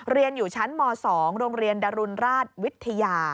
เรียนอยู่ชั้นม๒โรงเรียนดรุนราชวิทยา